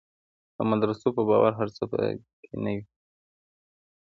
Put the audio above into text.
د مدرسو په باور هر څه په کې نه وي.